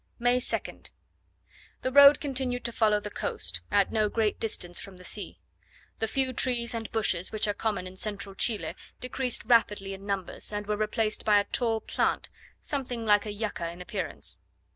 May 2nd. The road continued to follow the coast, at no great distance from the sea. The few trees and bushes which are common in central Chile decreased rapidly in numbers, and were replaced by a tall plant, something like a yucca in appearance.